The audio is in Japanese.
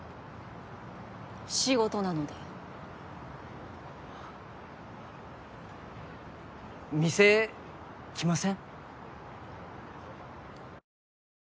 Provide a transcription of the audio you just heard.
仕事なので店来ません？